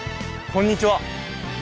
こんにちは。